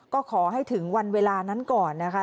ก็ขอให้ถึงวันเวลานั้นก่อนนะคะ